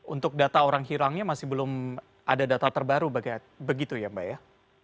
untuk data orang hilangnya masih belum ada data terbaru begitu ya mbak ya